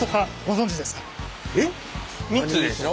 ３つでしょ？